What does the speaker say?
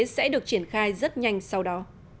sẽ được triển khai rất nhanh sau đó